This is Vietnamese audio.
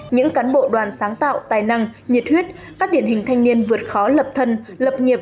những cán bộ đoàn sáng tạo tài năng nhiệt huyết các điển hình thanh niên vượt khó lập thân lập nghiệp